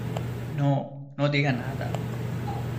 no, no diga nada.